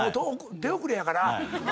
手遅れやから。